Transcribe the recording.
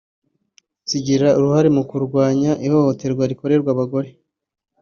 zigira uruhare mu kurwanya ihohoterwa rikorerwa abagore